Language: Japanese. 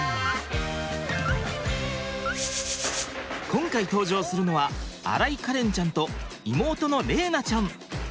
今回登場するのは新井香蓮ちゃんと妹の玲菜ちゃん。